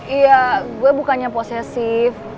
iya gue bukannya posesif